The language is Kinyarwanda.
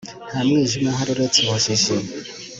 nta mwijima uhari uretse ubujiji